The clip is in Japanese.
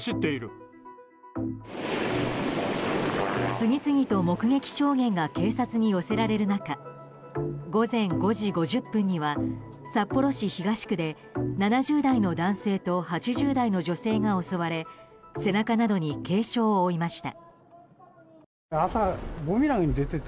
次々と目撃証言が警察に寄せられる中午前５時５０分には札幌市東区で７０代の男性と８０代の女性が襲われ背中などに軽傷を負いました。